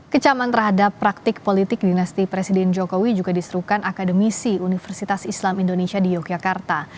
kecaman terhadap praktik politik dinasti presiden jokowi juga diserukan akademisi universitas islam indonesia di yogyakarta